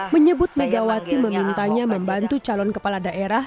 menyebut megawati memintanya membantu calon kepala daerah